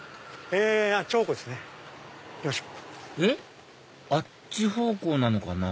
えっあっち方向なのかな？